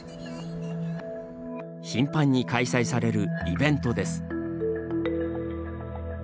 頻繁に開催されるイベントです。